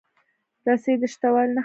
رسۍ د شته والي نښه ده.